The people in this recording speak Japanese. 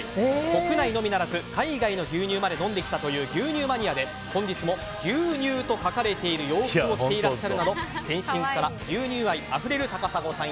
国内のみならず海外の牛乳まで飲んできたという牛乳マニアで本日も「牛乳」と書かれている洋服を着ているなど全身から牛乳愛あふれる高砂さん